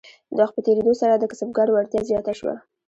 د وخت په تیریدو سره د کسبګرو وړتیا زیاته شوه.